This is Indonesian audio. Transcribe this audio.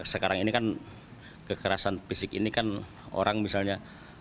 sekarang ini kan kekerasan fisik ini kan orang misalnya